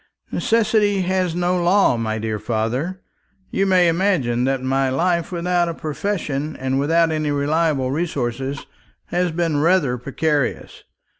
"Necessity has no law, my dear father. You may imagine that my life, without a profession and without any reliable resources, has been rather precarious.